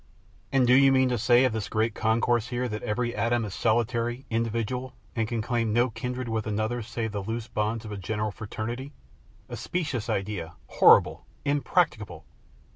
"And do you mean to say of this great concourse here, that every atom is solitary, individual, and can claim no kindred with another save the loose bonds of a general fraternity a specious idea, horrible, impracticable!"